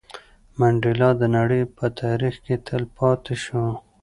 منډېلا د نړۍ په تاریخ کې تل پاتې شو.